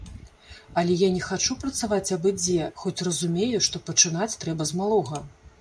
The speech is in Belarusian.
Але я не хачу працаваць абы-дзе, хоць разумею, што пачынаць трэба з малога.